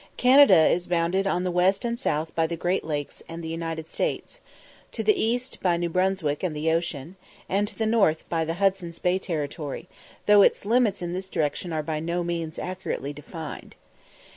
Canada is bounded on the west and south by the Great Lakes and the United States; to the east by New Brunswick and the ocean; and to the north by the Hudson's Bay territory, though its limits in this direction are by no means accurately defined.